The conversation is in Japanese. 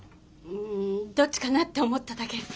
うんどっちかなって思っただけ。